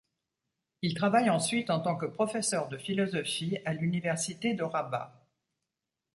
Il travaille ensuite en tant que professeur de philosophie à l'université de Rabat.